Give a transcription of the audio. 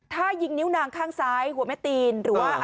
ถ้ายิงนิ้วนางข้างซ้ายหัวแม่ตีน